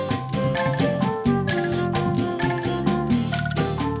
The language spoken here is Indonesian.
ada yang ketinggalan lagi enggak